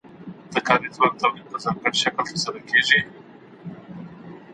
لیکل د ذهن د ارامښت سبب ګرځي.